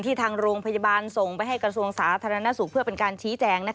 ที่ทางโรงพยาบาลส่งไปให้กระทรวงศาสตร์ธนโลกนี้สู่เพื่อเป็นการชี้แจง